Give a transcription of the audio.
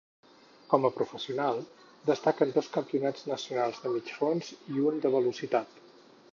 Com a professional destaquen dos campionats nacionals de mig fons i un de velocitat.